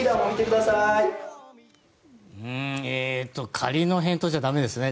仮の返答じゃ絶対だめですね。